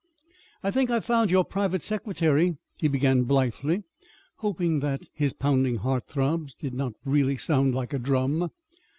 "I think I've found your private secretary," he began blithely, hoping that his pounding heart throbs did not really sound like a drum.